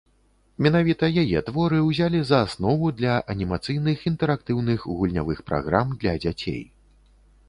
Менавіта яе творы ўзялі за аснову для анімацыйных інтэрактыўных гульнявых праграм для дзяцей.